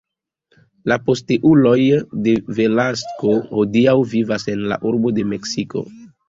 La posteuloj de Velasco hodiaŭ vivas en la urbo de Meksiko.